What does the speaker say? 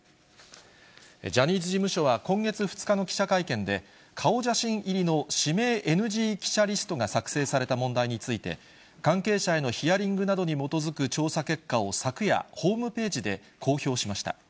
ジャニーズ事務所は今月２日の記者会見で、顔写真入りの指名ＮＧ記者リストが作成された問題について、関係者へのヒアリングなどに基づく調査結果を昨夜、ホームページで公表しました。